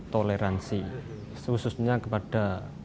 toleransi khususnya kepada